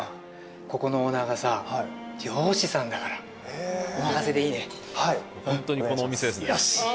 ここのオーナーがさ漁師さんだからはいへえお任せでいいねはいホントにこのお店ですねああ